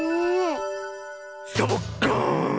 サボッカーン！